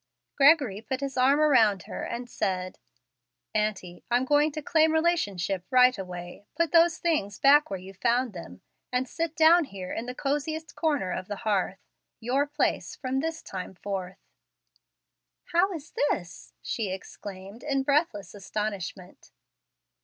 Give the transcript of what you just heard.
Gregory put his arm around her and said, "Aunty, I'm going to claim relationship right away; put those things back where you found them, and sit down here in the cosiest corner of the hearth, your place from this time forth." "How is this?" she exclaimed, in breathless astonishment.